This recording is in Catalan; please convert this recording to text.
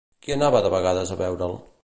Qui anava de vegades a veure'l?